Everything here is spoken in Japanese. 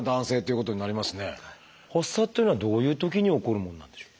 発作っていうのはどういうときに起こるものなんでしょう？